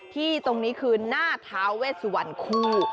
ที่ตรงนี้คือหน้าท้าเวสวันคู่